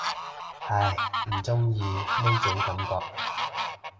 唉，唔中意呢種感覺